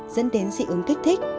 dẫn đến dị ứng kích thích